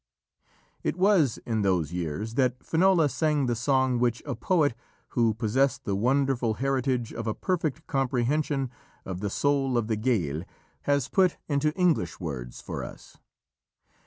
It was in those years that Finola sang the song which a poet who possessed the wonderful heritage of a perfect comprehension of the soul of the Gael has put into English words for us.